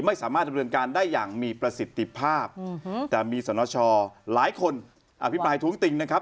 ไม่สามารถดำเนินการได้อย่างมีประสิทธิภาพแต่มีสนชหลายคนอภิปรายท้วงติงนะครับ